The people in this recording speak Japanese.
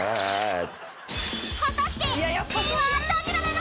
［果たして］